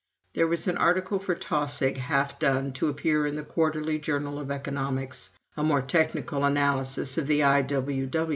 There was an article for Taussig half done to appear in the "Quarterly Journal of Economics," a more technical analysis of the I.W.W.